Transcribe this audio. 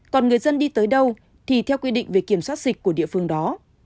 còn người dân đi tới đâu thì theo quy định về kiểm soát dịch của địa phương đó